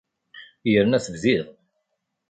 Yerna tebdiḍ.